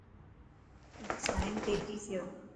اڄ سائن تي ڪي ٿيو.